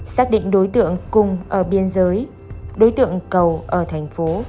xác định đối tượng cùng ở biên giới đối tượng cầu ở thành phố